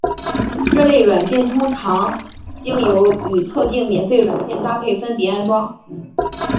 这类软件通常经由与特定免费软件搭配分别安装。